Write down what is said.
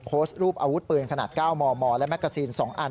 โพสต์รูปอาวุธปืนขนาด๙มมและแกซีน๒อัน